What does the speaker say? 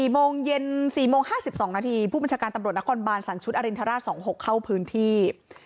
๔โมงเย็น๔โมง๕๒นาทีผู้บัญชาการตำรวจนครบานสั่งชุดอรินทราช๒๖เข้าพื้นที่